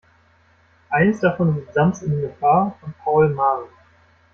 Eines davon ist Sams in Gefahr von Paul Maar.